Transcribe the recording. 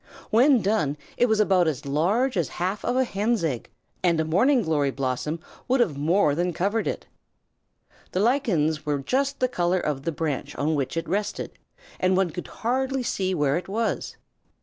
When done it was about as large as half of a hen's egg, and a morning glory blossom would have more than covered it. The lichens were just the color of the branch on which it rested, and one could hardly see where it was.